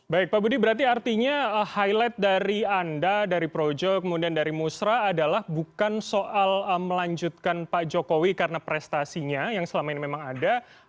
baik pak budi berarti artinya highlight dari anda dari projo kemudian dari musra adalah bukan soal melanjutkan pak jokowi karena prestasinya yang selama ini memang ada